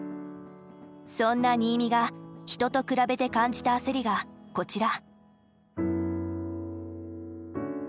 そんな新見が人と比べて感じた焦りがこちら。